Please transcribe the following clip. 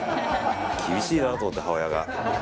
厳しいなと思って、母親が。